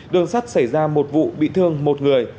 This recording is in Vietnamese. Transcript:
đường sắt xảy ra một vụ bị thương một người